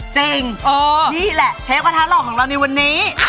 นี่แหละเชฟกระทะหล่อของเราในวันนี้